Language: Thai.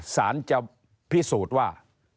สารจะพิสูจน์ว่า